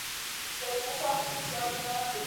Inteligência artificial generativa